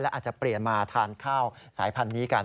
อาจจะเปลี่ยนมาทานข้าวสายพันธุ์นี้กัน